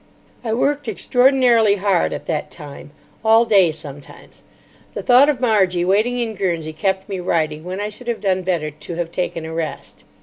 I worked extraordinarily hard at that time. All day, sometimes. The thought of Margie waiting in Guernsey kept me writing when I should have done better to have taken a rest.